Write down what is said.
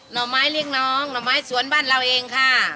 ห่อไม้เรียกน้องหน่อไม้สวนบ้านเราเองค่ะ